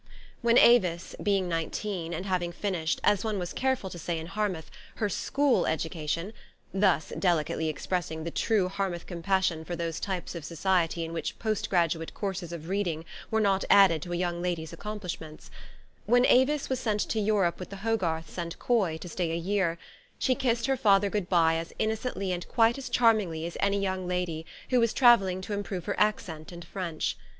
'When Avis, being nineteen, and having finished, as one was careful to say in Harmouth, her school education, thus delicately expressing the true Har mouth compassion for those types of society in which post graduate courses of reading were not added to a young lady's accomplishments, when Avis was sent to Europe with the Hogarths and Coy to stay a year, she kissed her father good by as innocently and quite as charmingly as any young lady who was travelling to improve her accent in French.